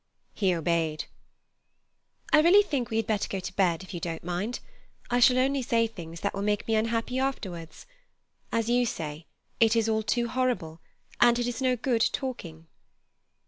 He obeyed. "I really think we had better go to bed, if you don't mind. I shall only say things that will make me unhappy afterwards. As you say it is all too horrible, and it is no good talking."